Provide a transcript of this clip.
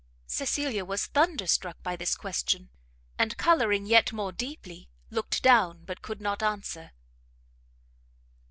Cecilia was thunderstruck by this question, and, colouring yet more deeply, looked down, but could not answer.